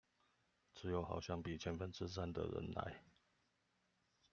只有好比像千分之三的人來